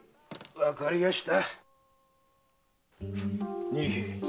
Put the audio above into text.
わかりやした。